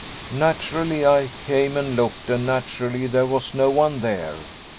Naturally I came and looked, and naturally there was no one there.